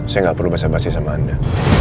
saya gak perlu berbasa basi sama anda